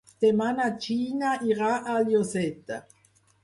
Demà na Gina irà a Lloseta.